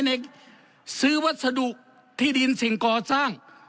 ในซื้อวัสดุที่ดินสิ่งก่อสร้าง